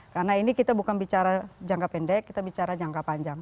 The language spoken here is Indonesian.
karena ini kita bukan bicara jangka pendek kita bicara jangka panjang